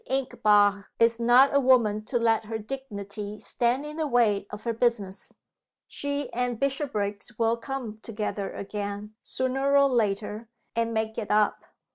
Inchbare is not a woman to let her dignity stand in the way of her business. She and Bishopriggs will come together again, sooner or later, and make it up.